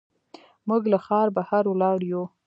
موږ له ښار بهر ولاړ یو.